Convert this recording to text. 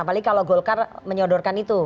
apalagi kalau golkar menyodorkan itu